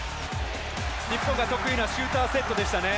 日本が得意なシューターセットでしたね。